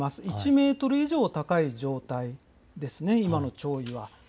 １メートル以上高い状態ですね、今の潮位は。